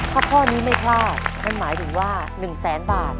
ข้าวข้อนี้ไหมครับมันหมายถึงว่าหนึ่งแสนบาท